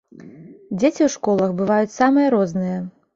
Дзеці ў школах бываюць самыя розныя.